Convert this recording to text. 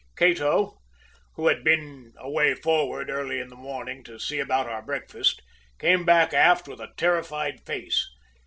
"Cato, who had been away forward early in the morning to see about our breakfast, came back aft with a terrified face.